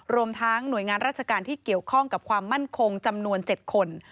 รวมทั้งหน่วยงานราชการที่เกี่ยวข้องกับความมั่นคงจำนวน๗คน